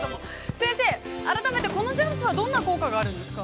先生、改めてこのジャンプはどんな効果があるんですか。